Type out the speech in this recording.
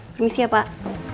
permisi ya pak